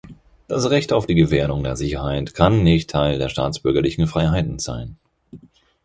Das Recht auf die Gefährdung der Sicherheit kann nicht Teil der staatsbürgerlichen Freiheiten sein.